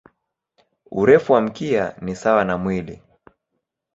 Urefu wa mkia ni sawa na mwili.